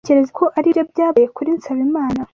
Uratekereza ko aribyo byabaye kuri Nsabimana?